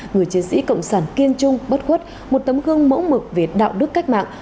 người chiến sĩ cộng sản kiên trung bất khuất một tấm gương mẫu mực về đạo đức cách mạng